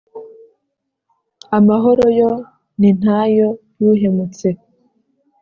amahoro yo nintayo.yuhemutse